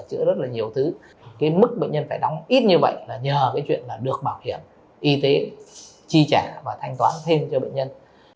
chữa rất là nhiều thứ cái mức bệnh nhân phải đóng ít như vậy là nhờ cái chuyện là được bảo hiểm y tế chi trả và thanh toán thêm cho bệnh nhân